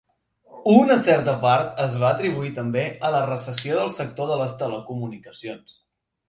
Una certa part es va atribuir també a la recessió del sector de les telecomunicacions.